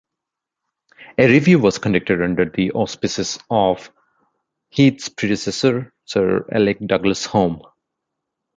A review was conducted under the auspices of Heath's predecessor Sir Alec Douglas-Home.